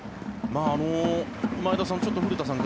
前田さん